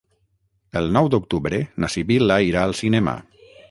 El nou d'octubre na Sibil·la irà al cinema.